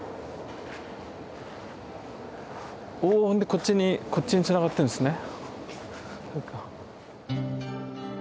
こっちにこっちにつながってるんですね。